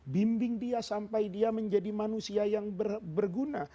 bimbing dia sampai dia menjadi manusia yang berguna